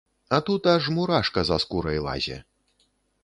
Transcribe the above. А тут аж мурашка за скурай лазе.